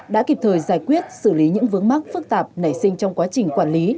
đã kịp thời giải quyết xử lý những vướng mắc phức tạp nảy sinh trong quá trình quản lý